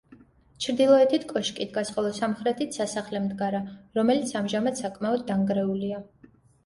ჩრდილოეთით კოშკი დგას, ხოლო სამხრეთით სასახლე მდგარა, რომელიც ამჟამად საკმაოდ დანგრეულია.